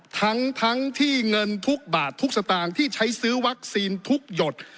ทั้งที่เงินทุกบาททุกสตางค์ที่ใช้ซื้อวัคซีนทุกหยด